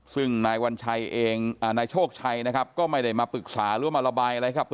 ซึ่งนายวัญชัยเองนายโชคชัยนะครับก็ไม่ได้มาปรึกษาหรือว่ามาระบายอะไรครับ